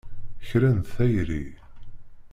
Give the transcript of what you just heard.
Kra n tayri!